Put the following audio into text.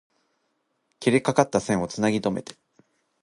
切れかかった線を繋ぎとめて